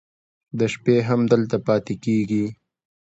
د شپې هم دلته پاتې کېږي.